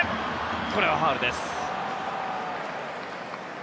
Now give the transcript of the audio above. これはファウルです。